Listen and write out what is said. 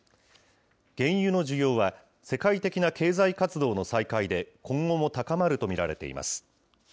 原油の需要は、世界的な経済活動の再開で今後も高まると見られています。